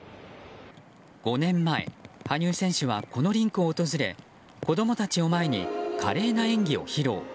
５年前、羽生選手はこのリンクを訪れ子供たちを前に華麗な演技を披露。